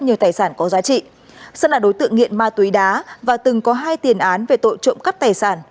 nhiều tài sản có giá trị sơn là đối tượng nghiện ma túy đá và từng có hai tiền án về tội trộm cắp tài sản